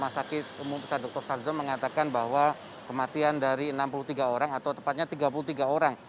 sakit umum pesat d i mengatakan bahwa kematian dari enam puluh tiga orang atau tepatnya tiga puluh tiga orang